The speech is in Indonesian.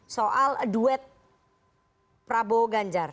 soal duet prabowo ganjar